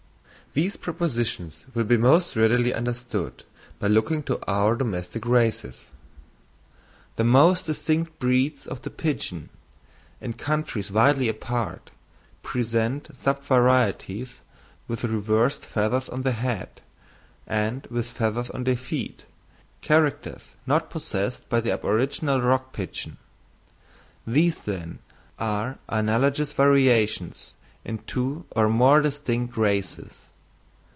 _—These propositions will be most readily understood by looking to our domestic races. The most distinct breeds of the pigeon, in countries widely apart, present sub varieties with reversed feathers on the head, and with feathers on the feet, characters not possessed by the aboriginal rock pigeon; these then are analogous variations in two or more distinct races.